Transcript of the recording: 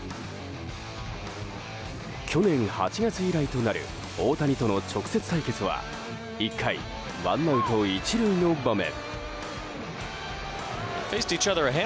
去年８月以来となる大谷との直接対決は１回、ワンアウト１塁の場面。